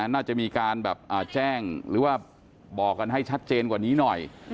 น่าจะมีการแบบแจ้งหรือว่าบอกกันให้ชัดเจนกว่านี้หน่อย